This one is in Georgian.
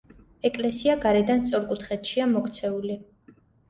ეკლესია გარედან სწორკუთხედშია მოქცეული.